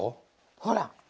ほら。